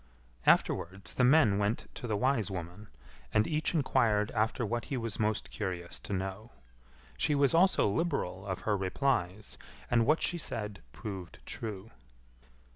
Afterwards the men went to the wise woman, and each enquired after what he was most curious to know. She was also liberal of her replies, and what she said proved true.